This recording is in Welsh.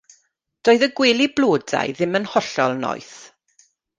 Doedd y gwely blodau ddim yn hollol noeth.